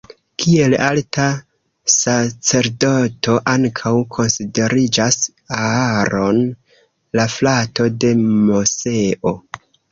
Kiel alta sacerdoto ankaŭ konsideriĝas Aaron, la frato de Moseo.